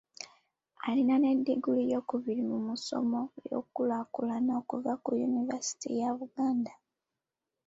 Alina ne ddiguli eyokubiri mu ssomo ly'enkulaakulana okuva ku yunivaasite ya Buganda.